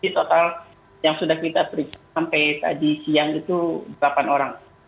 total yang sudah kita periksa sampai tadi siang itu delapan orang